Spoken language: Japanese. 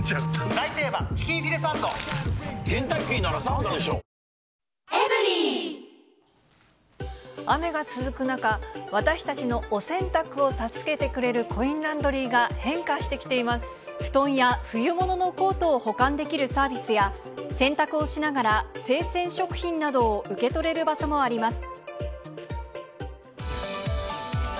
店舗で生鮮食品を受け取る宅雨が続く中、私たちのお洗濯を助けてくれるコインランドリーが、変化してきて布団や冬物のコートを保管できるサービスや、洗濯をしながら、生鮮食品などを受け取れる場所もあります。